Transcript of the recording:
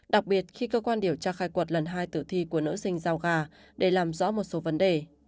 đặc biệt khi cơ quan điều tra khai quật lần hai tử thi của nữ sinh giao gà để làm rõ một số vấn đề